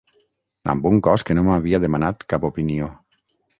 Amb un cos que no m’havia demanat cap opinió.